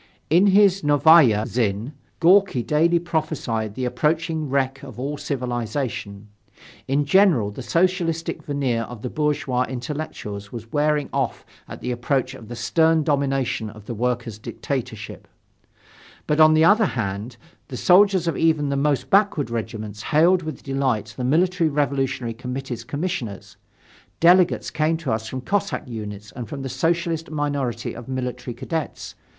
In his Novaya Zhizn, Gorki daily prophesied the approaching wreck of all civilization. In general, the Socialistic veneer of the bourgeois intellectuals was wearing off at the approach of the stern domination of the workers' dictatorship. But, on the other hand, the soldiers of even the most backward regiments hailed with delight the Military Revolutionary Committee's commissioners. Delegates came to us from Cossack units and from the Socialist minority of military cadets.